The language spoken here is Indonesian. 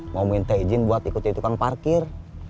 ngomongin teh izin buat ikuti tukang parkir